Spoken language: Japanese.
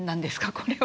これは。